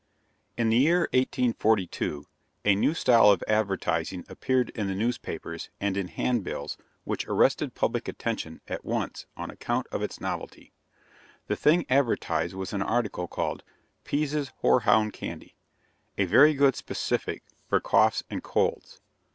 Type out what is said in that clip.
In the year 1842, a new style of advertising appeared in the newspapers and in handbills which arrested public attention at once on account of its novelty. The thing advertised was an article called "Pease's Hoarhound Candy;" a very good specific for coughs and colds.